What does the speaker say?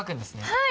はい！